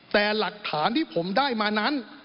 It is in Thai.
แต่หลักฐานที่ผมได้มานั้น